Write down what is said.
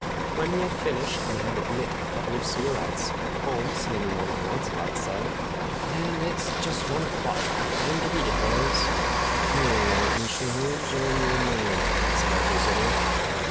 When we had finished and had lit a couple of cigarettes, Holmes, handing one to Launcelot, said: "Well, it's just one o'clock. Time to beat it, boys!" "All right, Mr. Holmes, I'm your man," said our visitor.